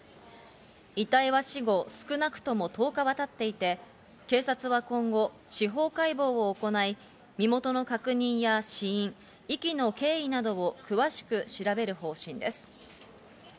遺体は死後少なくとも１０日は経っていて、警察は今後、司法解剖を行い、身元の確認や死因、遺棄の経緯などを詳しく調べる方針です。